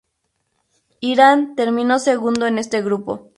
Irán terminó segundo en este grupo.